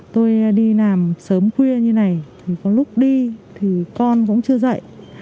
tôi đi làm sớm khuya như này còn lúc đi thì con cũng chưa dậy